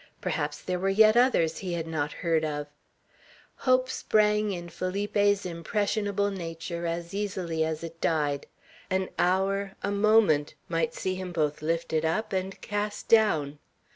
Perhaps there were yet others he had not heard of. Hope sprang in Felipe's impressionable nature as easily as it died. An hour, a moment, might see him both lifted up and cast down.